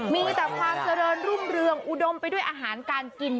มีความสะเรินรุมเลือร์อุดมเป็นอาหารการกิน